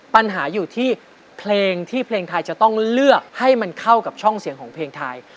ปัญหาอยู่ที่เพลงที่เพลงไทยจะต้องเลือกให้มันเข้ากับช่องเสียงของเพลงไทย